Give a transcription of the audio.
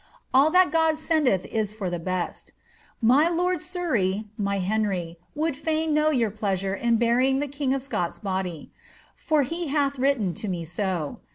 All that God sendeth is for the best My Lord of Surrey, my Heary, would fidn know your pleasure in burying the king of Scotts' body ; for he hmsh written to me so.